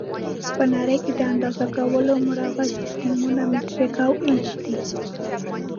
په نړۍ کې د اندازه کولو مروج سیسټمونه مټریک او ایچ دي.